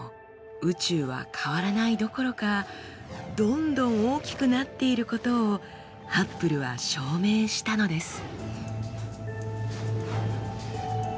宇宙は変わらないどころかどんどん大きくなっていることをハッブルは証明したのです。